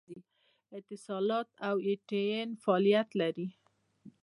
اتصالات او ایم ټي این فعالیت لري